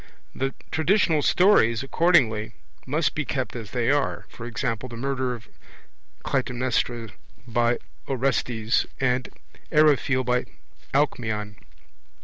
The traditional stories, accordingly, must be kept as they are, e.g. the murder of Clytaemnestra by Orestes and of Eriphyle by Alcmeon.